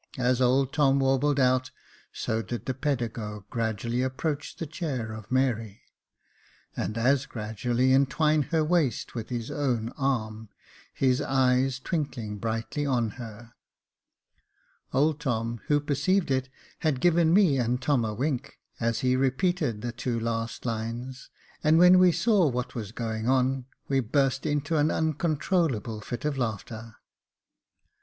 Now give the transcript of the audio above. As old Tom warbled out, so did the pedagogue gradually approach the chair of Mary ; and as gradually entwine her waist with his own arm, his eyes twinkling brightly on her. Old Tom, who perceived it, had given me and Tom a wink, as he repeated the two last lines ; and when we saw what was going on, we burst into an uncontrollable fit of laughter.